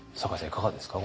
いかがですか？